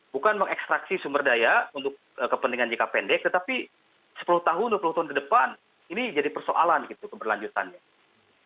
bukan mengekstraksi sumber daya untuk kepentingan jangka pendek tetapi sepuluh tahun dua puluh tahun ke depan ini jadi persoalan gitu keberlanjutannya